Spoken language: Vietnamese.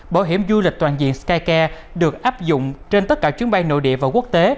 bảo hiểm du lịch toàn diện skycare được áp dụng trên tất cả chuyến bay nội địa và quốc tế